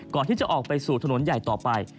ก่อนที่จะออกไปสู่ถนนใหญ่ต่อไป